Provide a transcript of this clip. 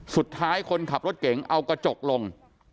สุดท้ายคนขับรถเก่งเอากระจกลง